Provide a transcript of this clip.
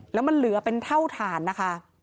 แล้วมันเหลือเป็นเท่าฐานนะคะ